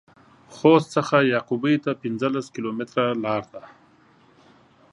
د خوست څخه يعقوبيو ته پنځلس کيلومتره لار ده.